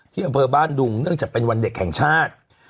อำเภอบ้านดุงเนื่องจากเป็นวันเด็กแห่งชาติ